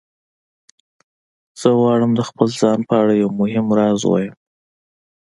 زه غواړم د خپل ځان په اړه یو مهم راز ووایم